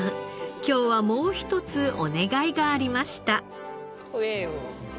今日はもう一つお願いがありました。